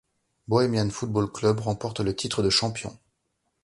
Bohemian Football Club remporte le titre de champion.